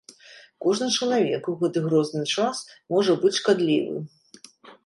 Кожны чалавек у гэты грозны час можа быць шкадлівы.